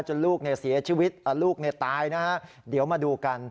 ลูกเสียชีวิตลูกตายนะฮะเดี๋ยวมาดูกัน